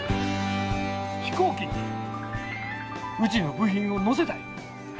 飛行機にうちの部品を乗せたい。